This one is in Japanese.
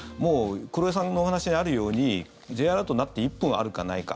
黒井さんのお話にあるようにＪアラートが鳴って１分あるかないか。